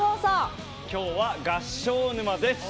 今日は「合唱沼」です。